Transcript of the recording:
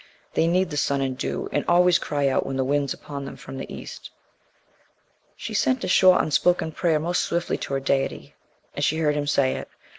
They need the sun and dew, and always cry out when the wind's upon them from the east." She sent a short unspoken prayer most swiftly to her deity as she heard him say it.